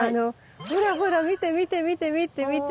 ほらほら見て見て見て見て見て。